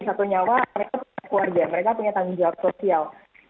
satu nyawa mereka punya keluarga mereka punya tanggung jawab sosial